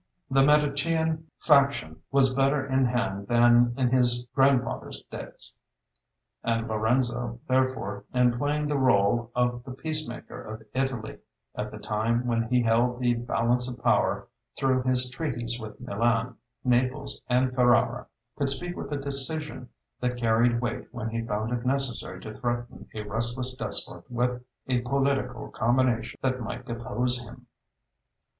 The Medicean faction was better in hand than in his grandfather's days, and Lorenzo, therefore, in playing the rôle of the peacemaker of Italy, at the time when he held the "balance of power" through his treaties with Milan, Naples, and Ferrara, could speak with a decision that carried weight when he found it necessary to threaten a restless "despot" with a political combination that might depose him.